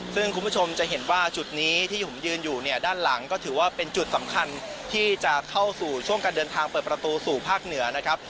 ซึ่งคุณผู้ชมจะเห็นว่าจุดนี้ที่ผมยืนอยู่เนี่ยด้านหลังก็ถือว่าเป็นจุดสำคัญที่จะเข้าสู่ช่วงการเดินทางเปิดประตูสู่ภาคเหนือนะครับ